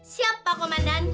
siap pak komandan